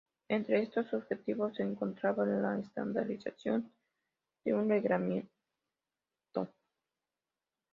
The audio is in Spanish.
Entre estos objetivos se encontraba la estandarización de un reglamento.